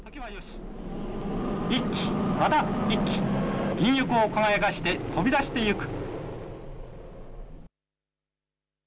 １機、また１機、銀翼を輝かして飛び出していく。